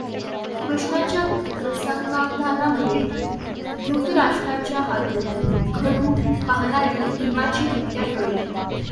कृष्णाच्या प्रसंगावधानामुळे धृतराष्ट्राच्या हातून घडू पाहणारी भिमाची हत्या टळली.